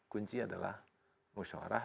kunci adalah musyawarah